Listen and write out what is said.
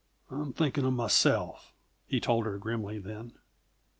"I'm thinking of myself!" he told her grimly then.